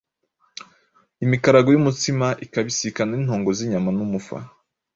Imikarago y'umutsima ikabisikana n'intongo z'inyama n'umufa.